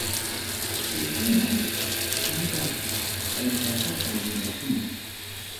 Kaykunam hukniraq kallpasapa yurakuna.